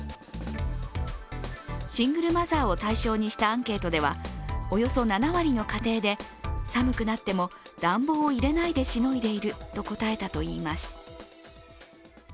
シングルマザーを対象にしたアンケートではおよそ７割の家庭で寒くなっても暖房を入れないでしのいでいると答えたといいます。